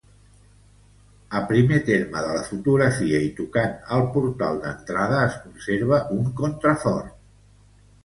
A primer terme de la fotografia i tocant al portal d'entrada, es conserva un contrafort.